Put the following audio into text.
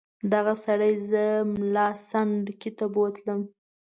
دغه سړي زه ملا سنډکي ته بوتلم.